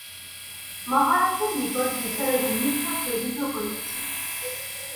মহারাজের নিকট বিচারের নিমিত্ত প্রেরিত হইয়াছেন।